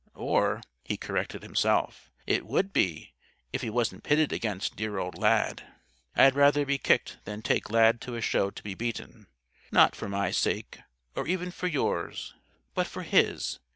Or," he corrected himself, "it would be, if he wasn't pitted against dear old Lad. I'd rather be kicked than take Lad to a show to be beaten. Not for my sake or even for yours. But for his.